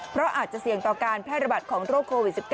เพราะอาจจะเสี่ยงต่อการแพร่ระบาดของโรคโควิด๑๙